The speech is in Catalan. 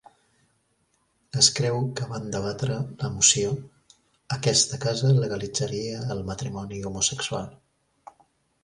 Es creu que van debatre la moció Aquesta casa legalitzaria el matrimoni homosexual.